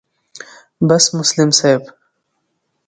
بس مسلم صاحب